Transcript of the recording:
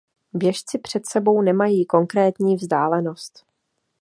Běžci před sebou nemají konkrétní vzdálenost.